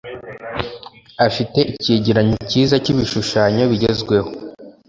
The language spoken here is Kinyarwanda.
Afite icyegeranyo cyiza cyibishushanyo bigezweho